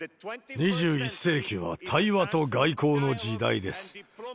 ２１世紀は対話と外交の時代です。